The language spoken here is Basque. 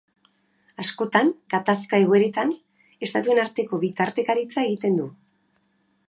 Askotan, gatazka-egoeretan, estatuen arteko bitartekaritza egiten du.